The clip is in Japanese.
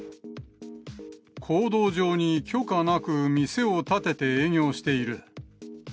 公道上に許可なく店を建てて営業している。